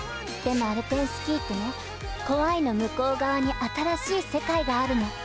でもアルペンスキーってね怖いの向こう側に新しい世界があるの。